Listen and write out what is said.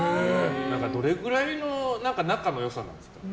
どれぐらいの仲の良さなんですか。